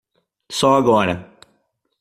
Só agora